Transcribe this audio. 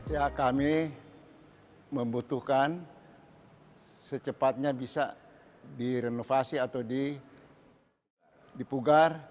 ya kami membutuhkan secepatnya bisa direnovasi atau dipugar